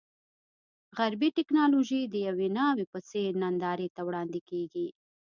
غربي ټکنالوژي د یوې ناوې په څېر نندارې ته وړاندې کېږي.